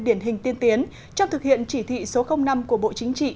điển hình tiên tiến trong thực hiện chỉ thị số năm của bộ chính trị